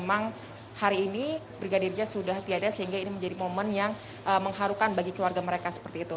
memang hari ini brigadir j sudah tiada sehingga ini menjadi momen yang mengharukan bagi keluarga mereka seperti itu